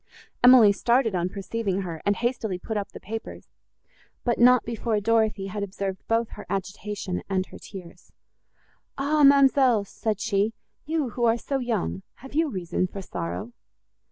Emily started on perceiving her, and hastily put up the papers, but not before Dorothée had observed both her agitation and her tears. "Ah, ma'amselle!" said she, "you, who are so young,—have you reason for sorrow?"